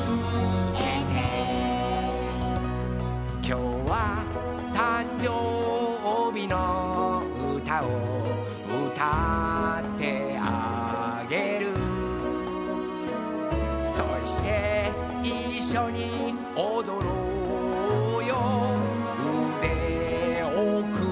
「きょうはたんじょうびのうたをうたってあげる」「そしていっしょにおどろうようでをくんで、、、」